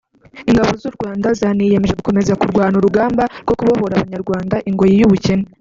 ingabo z’u Rwanda zaniyemeje gukomeza kurwana urugamba rwo kubohora abanyarwanda ingoyi y’ubukene